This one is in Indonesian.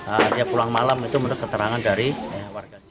akhirnya pulang malam itu menurut keterangan dari warga